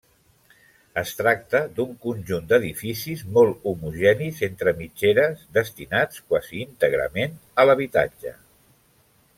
Es tracta d'un conjunt d'edificis molt homogenis entre mitgeres destinats quasi íntegrament a l'habitatge.